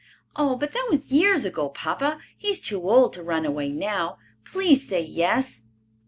"Oh, but that was years ago, papa. He is too old to run away now. Please say yes."